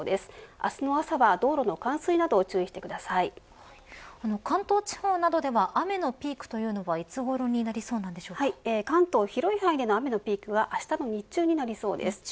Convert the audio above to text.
明日の朝は道路の冠水など関東地方などでは雨のピークというのはいつごろに関東広い範囲での雨のピークはあしたの日中になりそうです。